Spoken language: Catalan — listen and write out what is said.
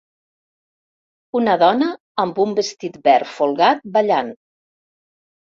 Una dona amb un vestit verd folgat ballant.